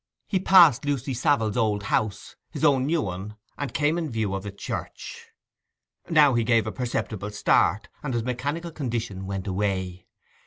He passed Lucy Savile's old house, his own new one, and came in view of the church. Now he gave a perceptible start, and his mechanical condition went away.